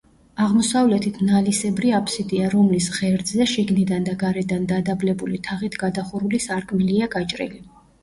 აღმოსავლეთით ნალისებრი აფსიდია, რომლის ღერძზე შიგნიდან და გარედან დადაბლებული თაღით გადახურული სარკმელია გაჭრილი.